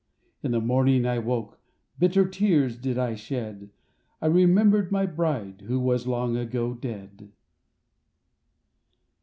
In the morning I woke, Bitter tears did I shed; I remembered my bride Who was long ago dead.